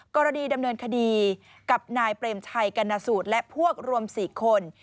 กรณีดำเนินคดีกับนายเปรมชัยกรณสูตรและพวกรวม๔คน